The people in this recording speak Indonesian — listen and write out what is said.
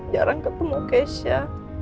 jarang ketemu keisha